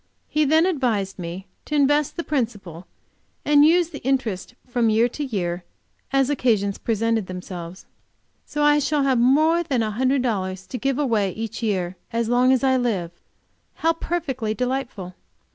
He then advised me to invest the principal, and use the interest from year to year, as occasions presented themselves. So, I shall have more than a hundred dollars to give away each year, as long as I live! How perfectly delightful!